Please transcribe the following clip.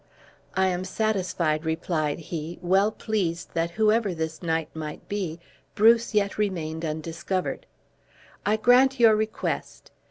"I am satisfied," replied he, well pleased that whoever this knight might be, Bruce yet remained undiscovered; "I grant your request.